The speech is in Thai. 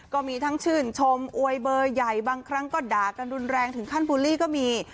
ก็มีทั้งชื่นชมอวยเบอร์ใหญ่บางครั้งก็ด่ากันรุนแรงถึงขั้นบูลลี่ก็มี